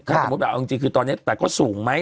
ค่ะแต่มันแบบเอาจริงจริงคือตอนเนี้ยแต่ก็สูงไหม